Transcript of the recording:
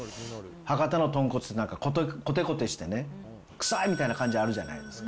博多の豚骨って、なんかこてこてしてね、臭いみたいな感じあるじゃないですか。